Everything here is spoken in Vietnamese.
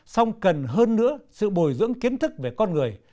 song cần hơn nữa sự bồi dưỡng kiến thức về con người